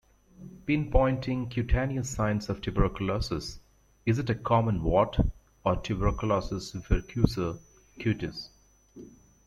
Pinpointing cutaneous signs of tuberculosis: is it a common wart, or tuberculosis verrucosa cutis?